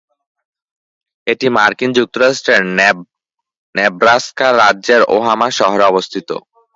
এটি মার্কিন যুক্তরাষ্ট্রের নেব্রাস্কা রাজ্যের ওমাহা শহরে অবস্থিত।